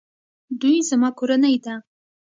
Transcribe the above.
دوی زما کورنۍ ده